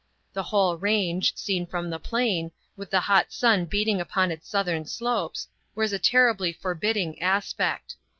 The whole range, seen from the plain, with the hot sun beating upon its southern slopes, wears a terribly forbidding aspect.